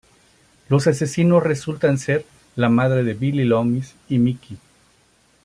Los asesinos resultan ser la madre de Billy Loomis y Mickey.